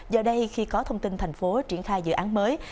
giờ đây khi có thông tin thành phố triển khai dự án mới